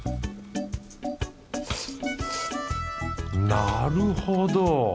なるほど。